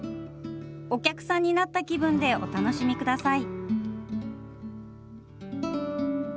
お客さんになった気分でお楽しみください。